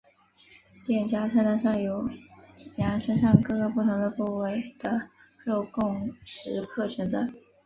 店家菜单上有羊身上各个不同的部位的肉供食客选择。